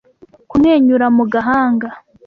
kumwenyura mu gahanga